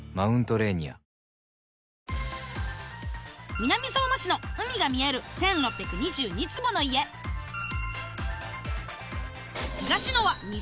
南相馬市の海が見える１６２２坪の家ゴー☆